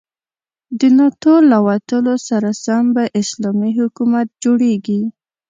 د ناتو له وتلو سره سم به اسلامي حکومت جوړيږي.